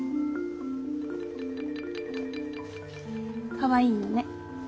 かわいいのね。